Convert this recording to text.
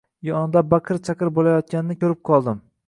Yonida baqir-chaqir boʻlayotganini koʻrib qoldim.